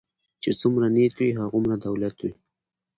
چی څومره نيت وي هغومره دولت وي .